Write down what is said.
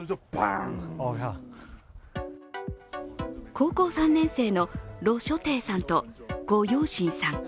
高校３年生の盧曙亭さんと呉曜辰さん。